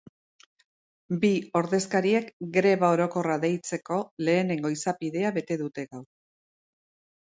Bi ordezkariek greba orokorra deitzeko lehenengo izapidea bete dute gaur.